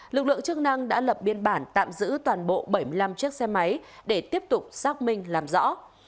lực lượng chức năng đã lập biên bản tạm giữ toàn bộ bảy mươi năm chiếc xe máy để tiếp tục xác minh làm rõ